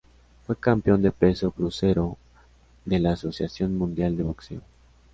Fue campeón de peso crucero de la Asociación Mundial de Boxeo.